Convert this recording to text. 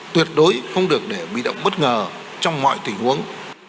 tuyệt đối không được để bị động bất ngờ trong mọi tình huống